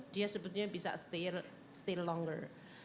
dia sebetulnya bisa still longer